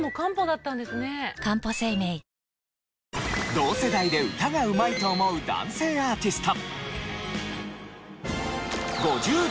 同世代で歌がうまいと思う男性アーティスト。